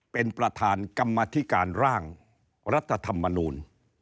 เป็นประธานกรรมธิการร่างรัฐธรรมนูล